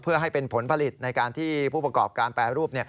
เพื่อให้เป็นผลผลิตในการที่ผู้ประกอบการแปรรูป